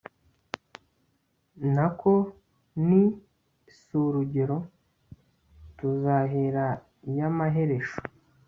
nako, ni, si...urugero ) tuzahera iya maheresho